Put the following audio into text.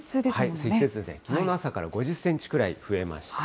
積雪ですね、きのうの朝から５０センチぐらい増えました。